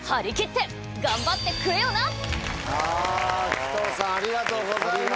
鬼頭さんありがとうございます。